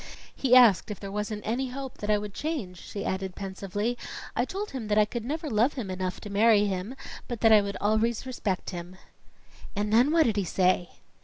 "He asked if there wasn't any hope that I would change," she added pensively. "I told him that I could never love him enough to marry him, but that I would always respect him." "And then what did he say?"